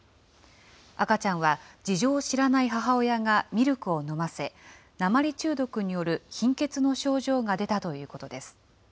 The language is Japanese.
赤ちゃんは事情を知らない母親がミルクを飲ませ、鉛中毒による貧血の症状が出たということです。